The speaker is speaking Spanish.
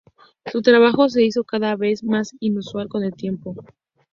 Su trabajo se hizo cada vez más inusual con el tiempo.